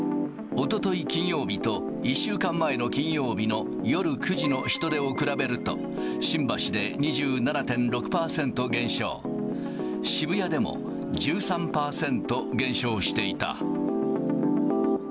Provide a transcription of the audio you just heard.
おととい金曜日と１週間前の金曜日の夜９時の人出を比べると、新橋で２７．６％減少、渋谷でも１３％減少していた。